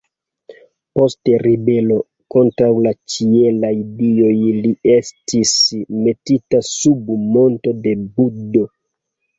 Post ribelo kontraŭ la ĉielaj dioj li estis metita sub monto de Budho.